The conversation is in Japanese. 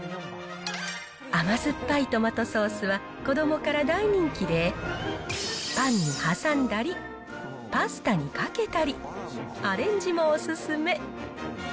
甘酸っぱいトマトソースは、子どもから大人気で、パンに挟んだり、パスタにかけたり、アレンジもおすすめ。